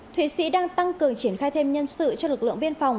thụy sĩ đang tăng cường triển khai thêm nhân sự cho lực lượng biên phòng